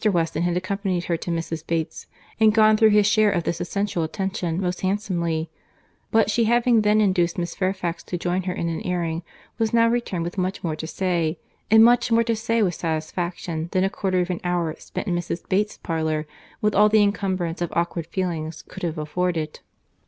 Weston had accompanied her to Mrs. Bates's, and gone through his share of this essential attention most handsomely; but she having then induced Miss Fairfax to join her in an airing, was now returned with much more to say, and much more to say with satisfaction, than a quarter of an hour spent in Mrs. Bates's parlour, with all the encumbrance of awkward feelings, could have afforded.